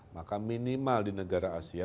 maka minimal di negara asia